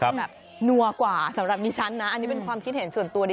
แบบนัวกว่าสำหรับดิฉันนะอันนี้เป็นความคิดเห็นส่วนตัวดิ